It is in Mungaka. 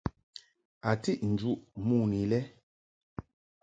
A tiʼ njuʼ mon i lɛ.